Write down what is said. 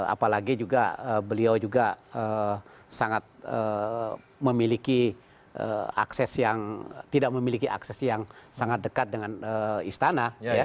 apalagi juga beliau juga sangat memiliki akses yang tidak memiliki akses yang sangat dekat dengan istana